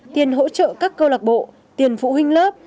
tiền hỗ trợ các câu lạc bộ tiền phụ huynh lớp